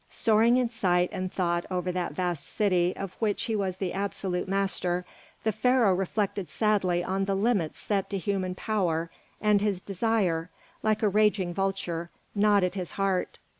Soaring in sight and thought over that vast city of which he was the absolute master, the Pharaoh reflected sadly on the limits set to human power, and his desire, like a raging vulture, gnawed at his heart.